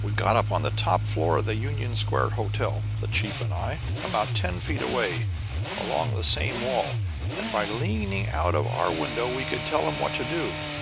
"We got up on the top floor of the Union Square Hotel, the chief and I, about ten feet away along the same wall, and by leaning out of our windows we could tell 'em what to do.